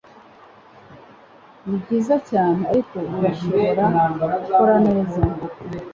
Nibyiza cyane, ariko urashobora gukora neza. (erikspen)